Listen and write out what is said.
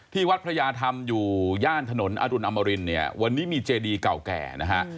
วัดพระยาธรรมอยู่ย่านถนนอรุณอมรินเนี่ยวันนี้มีเจดีเก่าแก่นะฮะ